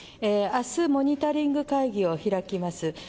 あすモニタリング会議を開きます。